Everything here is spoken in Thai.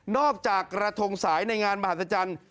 กระทงสายในงานมหัศจรรย์